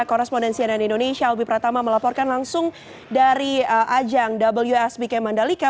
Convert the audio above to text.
korespondensi ann indonesia albi pratama melaporkan langsung dari ajang wsbk mandalika